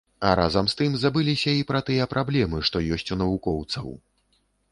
А разам з гэтым забыліся і пра тыя праблемы, што ёсць у навукоўцаў.